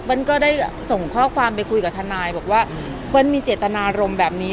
ก็ได้ส่งข้อความไปคุยกับทนายบอกว่าเปิ้ลมีเจตนารมณ์แบบนี้